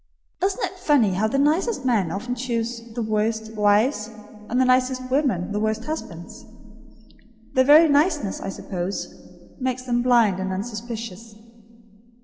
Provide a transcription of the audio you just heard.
Isn't it funny how the nicest men often choose the worst wives, and the nicest women the worst husbands? Their very niceness, I suppose, makes them blind and unsuspicious.